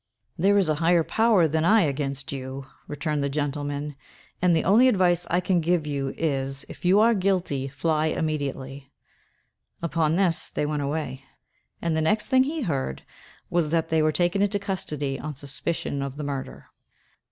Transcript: "There is a higher power than I against you," returned the gentleman; "and the only advice I can give you is, if you are guilty, fly immediately." Upon this, they went away; and the next thing he heard was, that they were taken into custody on suspicion of the murder.